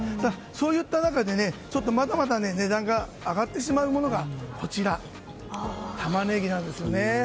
そういった中で、まだまだ値段が上がってしまうものがこちら、タマネギなんですよね。